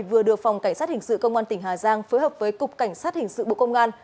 vừa được phòng cảnh sát hình sự công an tỉnh hà giang phối hợp với cục cảnh sát hình sự bộ công an